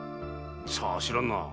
さあ知らんなあ？